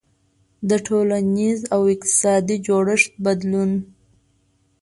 • د ټولنیز او اقتصادي جوړښت بدلون.